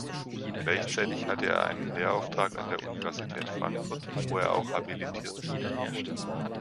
Gleichzeitig hatte er einen Lehrauftrag an der Universität Frankfurt, wo er auch habilitiert wurde.